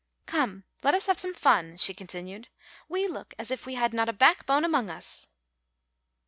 "Come, let us have some fun," she continued; "we look as if we had not a backbone among us."